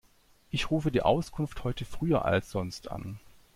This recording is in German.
Ich rufe die Auskunft heute früher als sonst an.